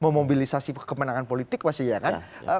memobilisasi kemenangan politik pasti ya kan